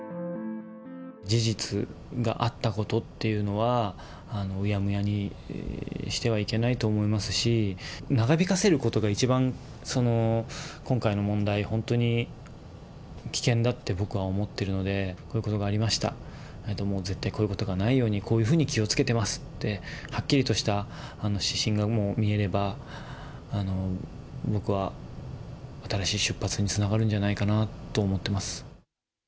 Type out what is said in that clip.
事実があったことっていうのは、うやむやにしてはいけないと思いますし、長引かせることが一番、その今回の問題、本当に危険だって僕は思っているので、こういうことがありました、もう絶対こういうことがないように、こういうふうに気をつけてますって、はっきりとした指針が見えれば、僕は新しい出発につながるんじゃないかなと思っています。